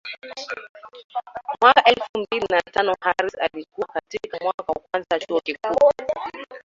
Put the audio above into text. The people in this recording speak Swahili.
Mwaka elfu mbili na tano Harris alikuwa katika mwaka wa kwanza Chuo Kikuu